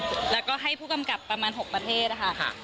และก็เพื่อการให้ผู้กำกัดประมาณ๖ประเทศค่ะ